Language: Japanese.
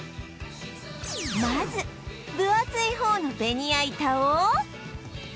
まず分厚い方のベニヤ板を